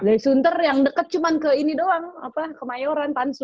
dari sunter yang deket cuman ke ini doang apa kemayoran tansu